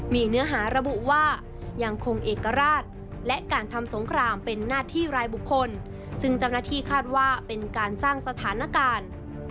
มีเนื้อหาระบุว่ายังคงเอกราชและการทำสงครามเป็นหน้าที่รายบุคคลซึ่งเจ้าหน้าที่คาดว่าเป็นการสร้างสถานการณ์